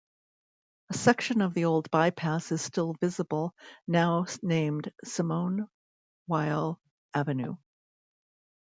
A section of the old bypass is still visible now named Simone Weil Avenue.